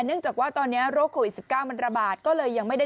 เนื่องจากว่าตอนนี้โรคโควิด๑๙มันระบาดก็เลยยังไม่ได้